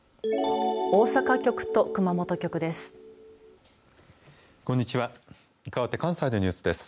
大阪局と熊本局です。